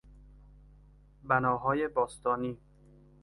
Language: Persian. بناهای باستانی